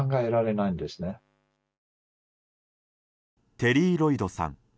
テリー・ロイドさん。